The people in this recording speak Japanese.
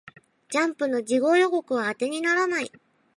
ジャンプの次号予告は当てにならない